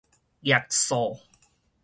額數